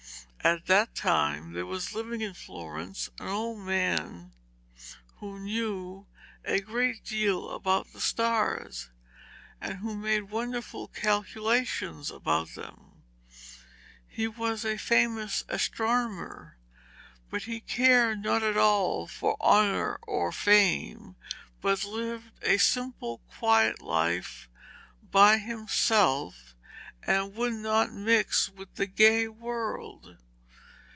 At that time there was living in Florence an old man who knew a great deal about the stars, and who made wonderful calculations about them. He was a famous astronomer, but he cared not at all for honour or fame, but lived a simple quiet life by himself and would not mix with the gay world.